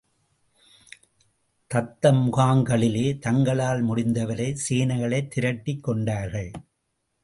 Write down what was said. தத்தம் முகாம்களிலே தங்களால் முடிந்தவரை சேனைகளைத் திரட்டிக் கொண்டார்கள்.